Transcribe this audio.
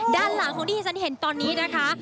ด้านหลังของที่ที่ฉันเห็นตอนนี้นะคะ